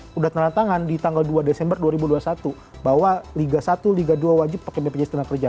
sudah tanda tangan di tanggal dua desember dua ribu dua puluh satu bahwa liga satu liga dua wajib pakai bpjs tenaga kerja